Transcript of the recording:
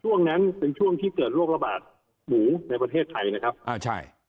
ช่วงนั้นเป็นช่วงที่เกิดโรคระบาดหมูในประเทศไทยนะครับอ่าใช่